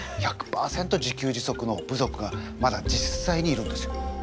１００％自給自足の部族がまだ実際にいるんですよ。